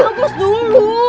ke kampus dulu